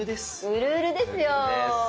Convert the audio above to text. うるうるですよ。